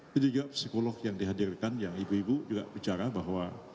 jadi juga psikolog yang dihadirkan yang ibu ibu juga bicara bahwa